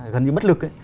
gần như bất lực